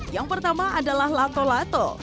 yang pertama adalah lato lato